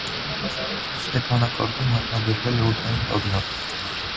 Ստեփանակարտում հայտարարվել է օդային տագնապ։